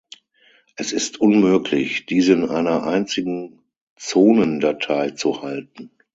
Es ist unmöglich, diese in einer einzigen Zonendatei zu halten.